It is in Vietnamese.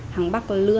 hàng bác lừa